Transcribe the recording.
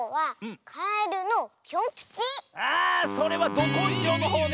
あそれはどこんじょうのほうね！